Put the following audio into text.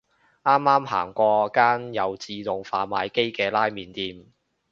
啱啱行過間有自動販賣機嘅拉麵店